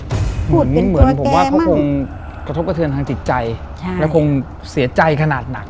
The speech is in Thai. เหมือนผมว่าเขาคงกระทบกระเทือนทางจิตใจและคงเสียใจขนาดหนัก